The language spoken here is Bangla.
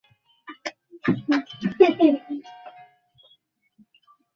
সেই ঘটনার সঙ্গে তাঁরা জড়িত থাকতে পারেন, এমন অভিযোগ অনেকেই শুনেছেন।